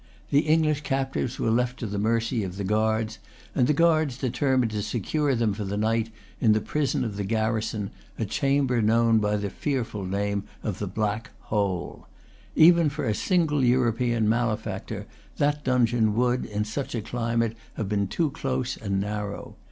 The English captives were left to the mercy of the guards, and the guards determined to secure them for the night in the prison of the garrison, a chamber known by the fearful name of the Black Hole. Even for a single European malefactor, that dungeon would, in such a climate, have been too close and narrow.